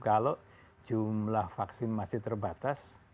kalau jumlah vaksin masih terbatas